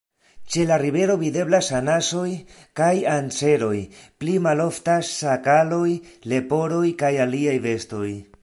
Ĉe la rivero videblas anasoj kaj anseroj; pli maloftas ŝakaloj, leporoj kaj aliaj bestoj.